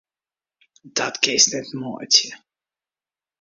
Dat kinst net meitsje!